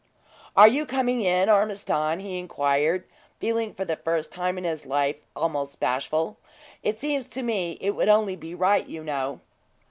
"Are you coming in, Ormiston?" he inquired, feeling, for the first time in his life, almost bashful. "It seems to me it would only be right, you know."